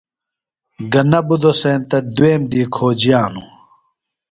گہ نہ بُدو سینتہ دُوئیم دی کھوجِیانوۡ۔